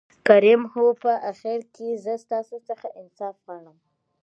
کريم : هو په آخر کې زه ستاسو څخه انصاف غواړم.